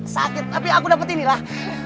sakit tapi aku dapet ini lah